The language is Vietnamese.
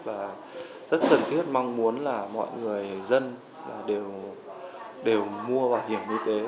và rất cần thiết mong muốn là mọi người dân đều mua bảo hiểm y tế